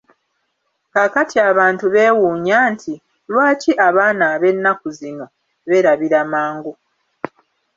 Kaakati abantu beewuunya nti: Lwaki abaana ab'ennaku zino beerabira mangu?